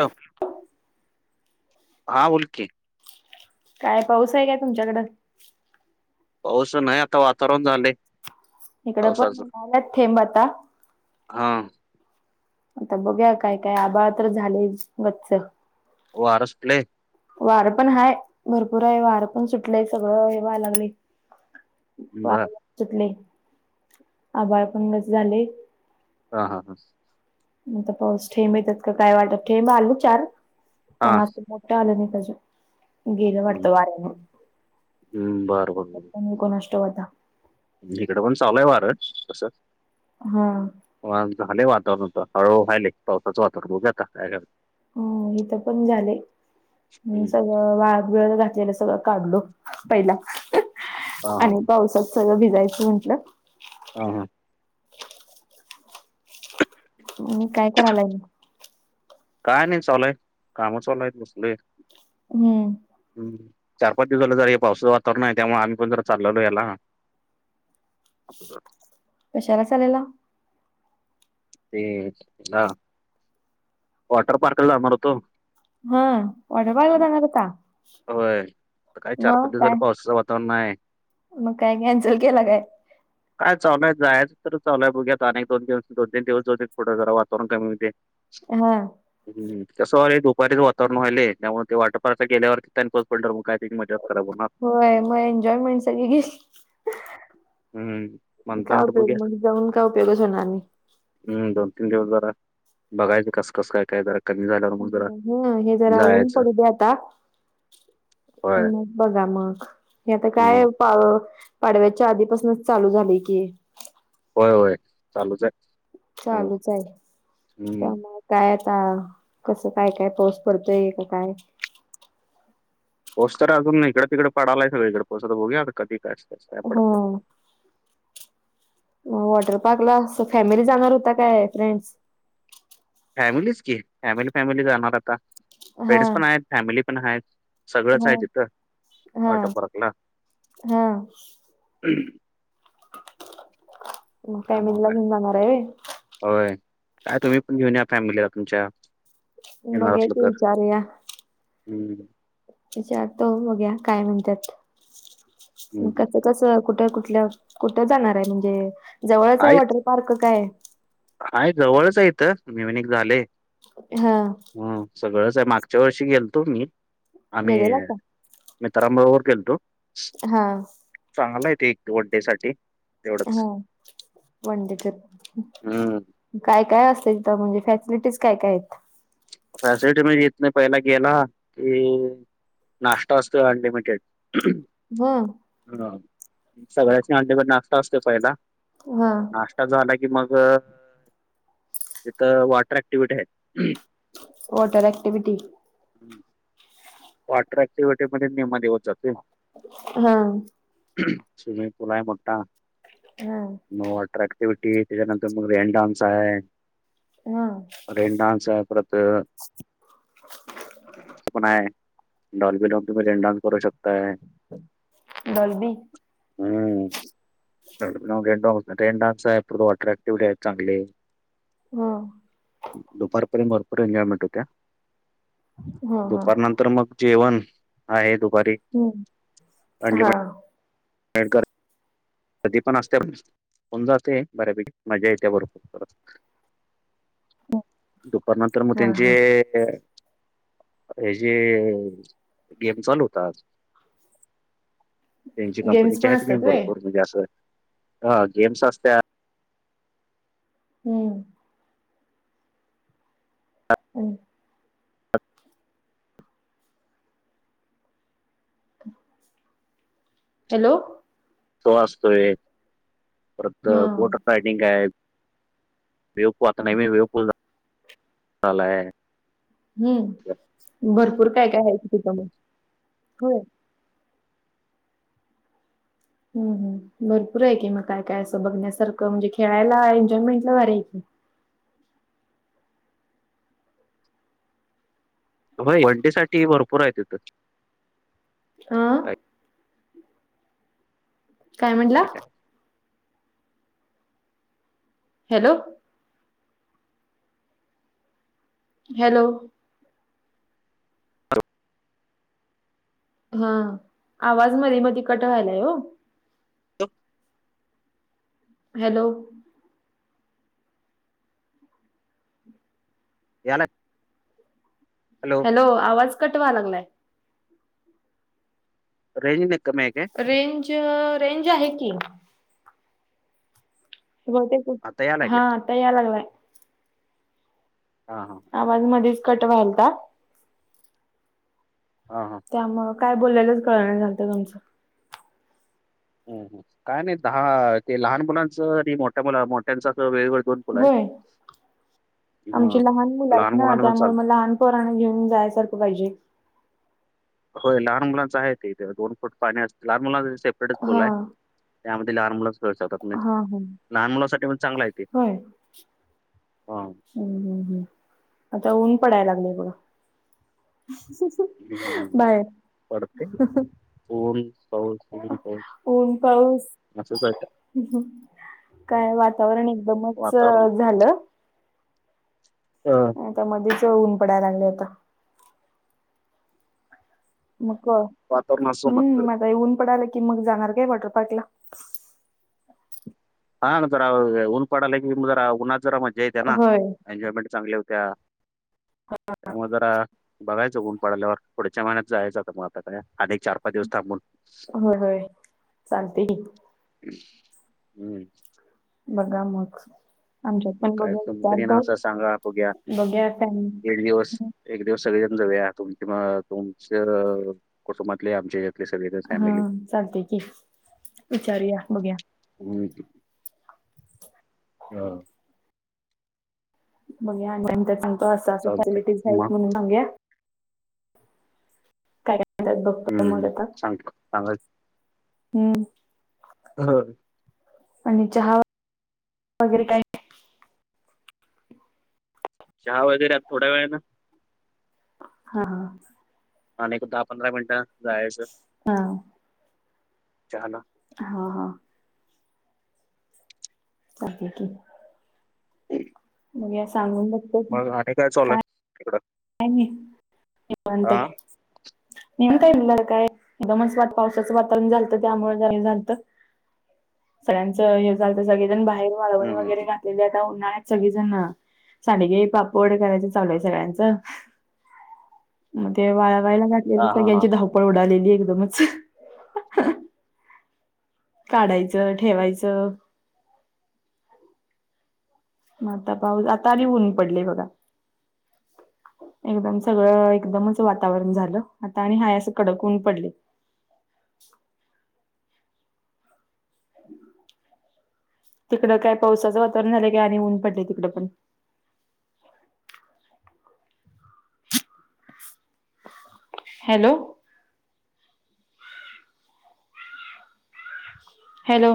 Hello हा बोल कीे काय पाऊस आहे काय तुमच्याकडे? पाऊस नाही आता वातावरण झालंय. इकडं पण पावसाचं आलाय थेंब आता. हा आता बघूया काय-काय आबाळ तर झाले गच्च. वार सुटलय. वार पण हाय, भरपूर आहे वार पण सुटलेय सगळ हे व्हायला लागलय वार बर पण सुटलंय आभाळ पण गच्च झालंय. हा हा हा आता पाऊस थेंब येतात का काय वाटत थेंब आले चार हा पण आज मोठ नाही आला पाहिजे. गेल हम्म वाटत वार्याने, हम्म, बर नको नष्ट होता इकडं पण चालूय वार तस हा हा हा झालय वातावरण होत हळू व्हायले पावसाच वातावरण बघुया आता काय करत. हम्म्म इथ पण झालय. हम्म सगळ हा वाळत बिळत घातलेल सगळा काढलो पहिला हा हा आणि पावसात सगळं भिजायच म्हटल हा हा म काय करायलायला मग काय नाही चालूये काम चालूयेत बसलोये. हम्म चार पाच दिवस झाले जर हे पावसाच वातावरण आहे त्यामुळे आम्ही पण जर चालो याला. अपूसार कशाला चाल्यात. ते याला वॉटर पार्क ला जाणार होतो. होय वाॉटर पार्क जानार होता. होय आता काय चार मग पाच दिवस काय झाले पावसाच वातावरण आहे. मग काय कॅन्सल केला काय ॽ काय चालू आहे जायाच तर चालू आहे बघूयात अणि एक दोन दिवस दोन तीन दिवस जाऊ देत पूढ जरा वातावरण कमी होउदे हा हम कस व्हायल दुपारीच वातावरण व्हालेय त्यामुळे ते वॉटर पार्कला गेल्यावरती तिथ आणि परत पण मग काय तिथ मजाच खराब होणार. होय मग एन्जॉय मेंट सगळी गेली हम्म म्हणताना काय आता बघूया उपयोग मग जाऊन काय उपयोगच होणार नाही. हम्म दोन तीन दिवस जरा बघायच कस कस काय काय जरा कमी झाल्यावर मग जरा हम हे जरा ऊन जायचं पडू दे आता होय बघा मग हे आता हम्म काय पा पाडव्याच्या आधीपासूनच चालू झालय की हे होय होय चालूच आहे. हो चालूच आहे हम्म. त्यामुळे काय आता कसं काय काय पाऊस पडतोय का काय पाऊस तर अजून इकडे तिकडे पडालाय सगळीकड पाऊस आता बघुया कधी काय असत. हो मग वॉटर पार्क ला अस फॅमिली जाणार होता काय फ्रेंड्स फॅमिलीच की फॅमिली फॅमिली जाणार आता हा फ्रेंड्स पण आहेत फॅमिली पण आहेत. सगळंच हा आहे तिथं हा वॉटर पार्कला हा मग त्यामुळे फॅमिलीला काय घेऊन जाणार आहे होय. होय काय तुम्ही पण घेऊन या फॅमिलीला तुमच्या येणार बघूया असल की तर विचारूया हं विचारतो बघुया काय म्हणतात. कसं हम्म. कस कुठ कुठल्या कुठ जाणार आहे म्हणजे जवळच आहे वॉटर पार्क काय आहे जवळच आहे इथं नवीन एक झालय. हा ह सगळंच आहे मागच्या वर्षी गेलतो मी आम्ही गेलेला का मीत्रां बरोबर गेलतो. हा चांगला आहे ते एक वंडेसाठी हो वंनडे तर हम्म काय काय असत. तिथ म्हणजे फॅसिलिटीज काय काय आहेत. फॅसिलिटी म्हणजे इतन पहिला गेला की नाश्ता असतोय अनलिमिटेड म ह सगळ्यासनी अनलिमिटेड नाश्ता असतोय पहिला हा नाष्टा झा झाला की मग तिथं वॉटर ऍक्टिव्हटी आहेत. वॉटर ऍक्टिविटी हम् वॉटर अँक्टीव्हीव्हटी मध्ये निम्मा दिवस जातोय. हा स्विमिंग पुल आहे मोठ्ठा हा मग वॉटर अँक्टिव्हटी त्याच्यानंतर मग रेन डान्स आहे. म रेन डान्स हाय परत हे पण आहे. डॉल्बी डॉकी मध्ये तुम्ही डान्स करू शकताय. डॉलबी. हम्म [unintelligible] रेन डान्स आहे तो परत अट्रॅक्टिव आहेत चांगली. हां दुपारपर्यंत भरपूर एन्जॉयमेंट होते हां हा हा दुपारनंतर तर मग जेवण आहे दुपारी. हम्म हां अनलिमिटेड [unintelligible] कर कधी पण असत्यात होऊन जातय बऱ्यापैकी मज्जा येत्या भरपूर परत. हो दुपारनंतर मग त्यांचे ह्या जे गेम चालू होतात. त्यांचे गेम्स कंपनीचे पण आहेत असतात गेम व्हय? भरपूर म्हणजे अस गेम्स असत्यात. हम्म हम्म [inaudible] हॅलो तो असतोय परत हा. बोट रायडींग आहेत. वेवपू आता नवीन वेवपू झालाय हम्म भरपूर काय काय आहे की तिथ होय. हम्म भरपूर आहे की मग काय काय अस बघण्यासारख म्हणजे खेळायला एनजॉयमेंट ला भारी आहे. होय बर्थडे साठी भरपूर आहे तिथ. आ काय काय म्हणलात? हॅलो हॅलो हां आवाज मधी मधी कट व्हायलाय ओ हॅलो हॅलो यालाय हॅलो हो आवाज कट व्हाय लागलाय. रेंज लय कमी आहेे काय? रेंज रेंज आहे की. ते बहुतेक आता यालाय काय हां आता याय लागलाय. हां हां आवाज मधेच कट व्हायलता. हां हां त्यामुळ काय बोललेलच कळना झालत तुमच. काय नाही दहा ते लहान मुलांच आणि मोठ्या मुला मोठ्यांच अस वेगवेगळ होय आमची लहान मुल हा आहेत ना मुलांना पण त्यामुळे मग चालतं लहान पोरांना घेऊन जायसारख पाहिजे. होय लहान मुलांच आहे ते इथे दोन फूट पाण्यात लहान मुलांच सेपरेटच पूल हा आहे. त्यामध्ये लहान मुलच खेळून जातात म्हणजे हा हा लहान मुलांसाठी पण चांगला आहेे ते. हां हूं-हूं, आता ऊन पडायला लागलंय बघा. [unintelligible] पडते ऊन पाऊस ऊन [unintelligible] पाऊस ऊन-पाऊस असंच आहे काय वातावरण एकदमच वातावरण झालं! हा. आता मध्येच ऊन पडायला लागलंय आता. मग वातावरण असं हं, म्हणतं मग आता ऊन पडालं की मग जाणार काय वॉटर पार्कला? हा ना, जरा ऊन पडाला की जरा उन्हात जरा मज्जा येत्या ना, होय एनजॉयमेंन्ट चांगली होत्या. [unintelligible] त्यामुळे जरा बघायचं, ऊन पडाल्यावर पुढच्या महिन्यात जायचं. आता मग आता काय, आणि एक चार-पाच दिवस थांबून. होय-होय. चालतंय की. [unintelligible] बघां मग आमच्यात पण काय बघूया, तुम्ही पण येणार विचारतो. असं सांगा बघूया बघुयात, काय म्हणत्यात. एकं दिवस सगळेजण जाऊया, तुमचं तुमचे कुटुंबातले आमचे. हां, चालतेय की! विचारूया, बघूया [unintelligible] हा. मग मी नंतर सांगतो, असं-असं चालते फॅसिलिटीज आहेत मग म्हणून सांगूया. काय म्हणत्यात बघतो, मग हम्म आता. सांग सांगायच हम. हो. आणि चहां वगैरे काही चहा वगैरे थोड्यायं वेळा ना. हा-हा. आणि एक दहा-पंधरा मिनिटंन जायचं. हां. चहाला. हा-हा. कप घे की. [inaudible] म्या सांगून बघ. मगं आणि काय? चालूयं तिकडं. काई नाही निवांत हा आहे. एकदमचं मात पावसाचं वातावरण झालतं, त्यामुळे जरा हे झालतं. सगळ्यांचं हे झालतं, सगळेजण बाहेर वाळवण हम्म हम्म वगैरे हम्म. घाल. तिकडे आता उन्हाळ्यातं सगळी जण सांडगे-पापड करायच चालू आहे, सगळ्यांचं. मग ते वाळवायला घातलेली, हा हा सगळ्यांची हा धावपळं उडालेली एकदमचं. काढायचं ठेवायचंय मग आता पाऊस आताआणि ऊन पडले बघा एकदमं सगळं एकदमचं वातावरण झालं, आतां आणि हाय, असं कडक ऊन पडले. तिकडं काय पावसाचं वातावरण झालंय काय? आणि ऊन पडले तिकडं पण? हॅलो. हॅलो